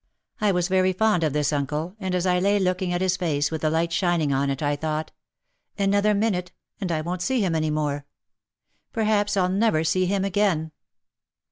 I was very fond of this uncle and as I lay looking at his face, with the light shining on it, I thought, "An other minute, and I won't see him any more. Perhaps I'll never see him again."